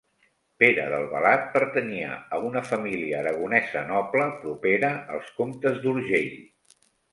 Pere d'Albalat pertanyia a una família aragonesa noble propera als comtes d'Urgell.